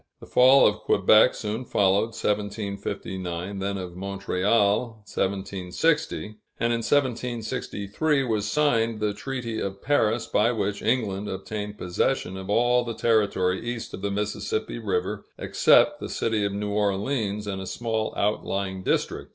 The fall of Quebec soon followed (1759), then of Montreal (1760); and in 1763 was signed the Treaty of Paris, by which England obtained possession of all the territory east of the Mississippi River, except the city of New Orleans and a small outlying district.